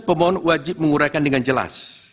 pemohon wajib menguraikan dengan jelas